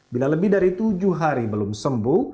bila lebih dari tujuh hari belum sembuh